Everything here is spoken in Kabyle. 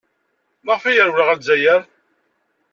Maɣef ay yerwel ɣer Lezzayer?